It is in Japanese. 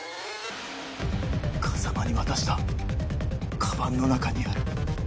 風真に渡したカバンの中にある。